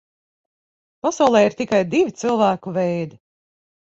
Pasaulē ir tikai divi cilvēku veidi.